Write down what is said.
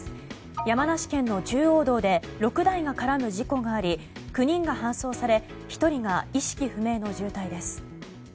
山梨県の中央道で６台が絡む事故があり９人が搬送され１人が意識不明の重体です。